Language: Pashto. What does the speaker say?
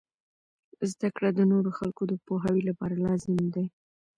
زده کړه د نورو خلکو د پوهاوي لپاره لازم دی.